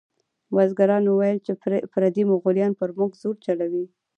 بزګرانو ویل چې پردي مغولیان پر موږ زور چلوي.